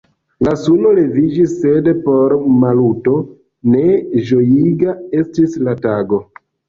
La suno leviĝis, sed por Maluto ne ĝojiga estis la tago.